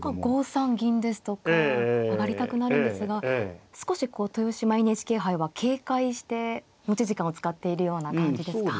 ５三銀ですとか上がりたくなるんですが少しこう豊島ＮＨＫ杯は警戒して持ち時間を使っているような感じですか。